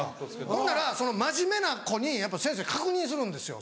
ほんならその真面目な子に先生確認するんですよ